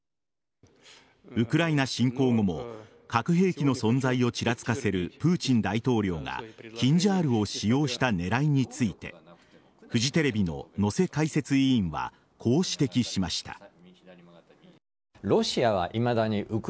ウクライナ侵攻後も核兵器の存在をちらつかせるプーチン大統領がキンジャールを使用した狙いについてフジテレビの能勢解説委員はこう指摘しました。